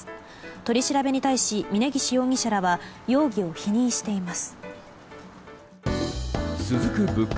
取り調べに対し峯岸容疑者らは容疑を否認しています。